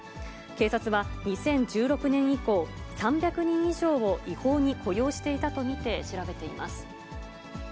警察は、２０１６年以降、３００人以上を違法に雇用していたと見て調べています。